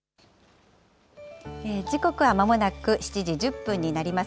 時刻はまもなく７時１０分になります。